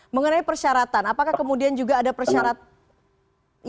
mengenai persyaratan apakah kemudian juga ada persyaratan